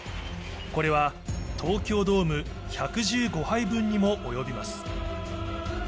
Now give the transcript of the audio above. これは東京ドーム１１５杯分にも及びます。